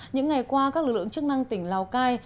những ngày qua các lực lượng chức năng tỉnh lào cai